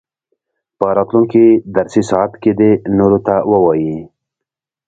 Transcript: په راتلونکي درسي ساعت کې دې نورو ته ووايي.